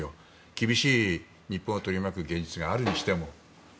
厳しい日本を取り巻く現実があるにしても。